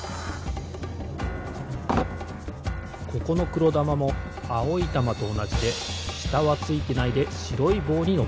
ここのくろだまもあおいたまとおなじでしたはついてないでしろいぼうにのってるんです。